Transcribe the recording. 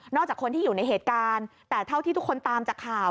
จากคนที่อยู่ในเหตุการณ์แต่เท่าที่ทุกคนตามจากข่าว